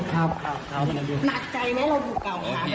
หนักใจไหมเราอยู่เก่าค่ะ